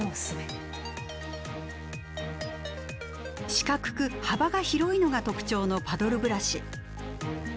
四角く幅が広いのが特徴のパドルブラシ。